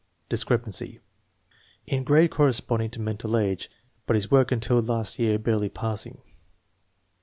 Discrepancy: In grade corresponding to mental age, but his work until last year barely passing.